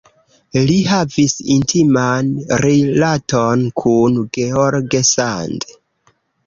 Li havis intiman rilaton kun George Sand.